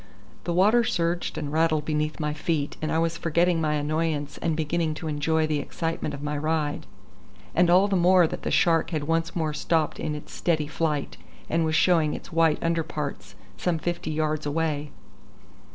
The water surged and rattled beneath my feet, and I was forgetting my annoyance and beginning to enjoy the excitement of my ride; and all the more that the shark had once more stopped in its steady flight, and was showing its white under parts some fifty yards away.